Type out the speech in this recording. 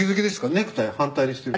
ネクタイ反対にしてる」